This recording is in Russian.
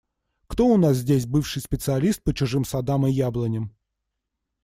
Кто у нас здесь бывший специалист по чужим садам и яблоням?